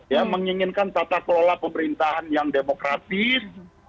ya menginginkan tata kelola pemerintahan yang demokratis